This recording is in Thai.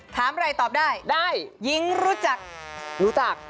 ถามอะไรตอบได้ได้หญิงรู้จักรู้จัก